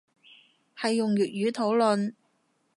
係用粵語討論